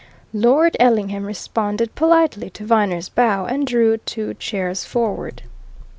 Lord Ellingham responded politely to Viner's bow and drew two chairs forward.